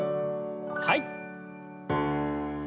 はい。